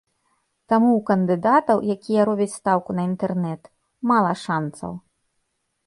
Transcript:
Таму ў кандыдатаў, якія робяць стаўку на інтэрнэт, мала шанцаў.